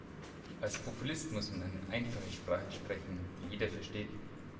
Als Populist muss man eine einfache Sprache sprechen, die jeder versteht.